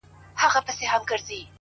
بېگا چي خوب باندې ليدلي گلابي لاسونه!!